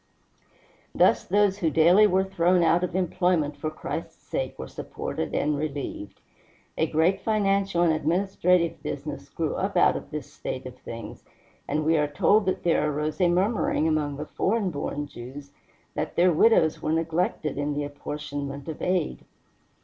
Thus those who daily were thrown out of employment for Christ's sake were supported and relieved. A great financial and administrative business grew up out of this state of things, and we are told that there arose a murmuring among the foreign born Jews that their widows were neglected in the apportionment of aid.